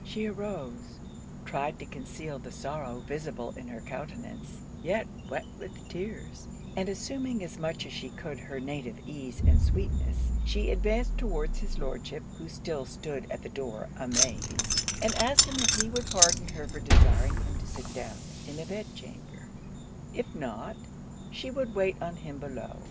She arose; tried to conceal the sorrow visible in her countenance yet wet with tears, and assuming as much as she could her native ease and sweetness, she advanced towards his Lordship, who still stood at the door, amazed, and asked him if he would pardon her for desiring him to sit down in a bed chamber; if not, she would wait on him below.